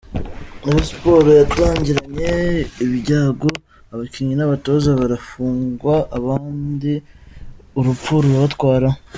Rayon Sports, yatangiranye ibyago, abakinnyi n’abatoza barafungwa, abandi urupfu rurabatwara.